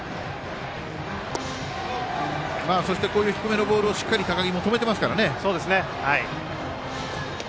そして、低めのボールしっかり、高木が止めています。